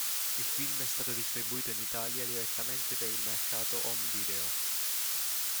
Il film è stato distribuito in Italia direttamente per il mercato home video.